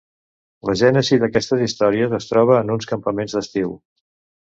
La gènesi d’aquestes històries es troba en uns campaments d’estiu.